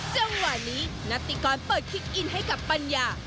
จังหวะนี้นัตติกรเปิดคลิกอินให้กับปัญญา